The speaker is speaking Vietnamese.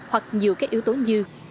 hoặc nhiều các yếu tố như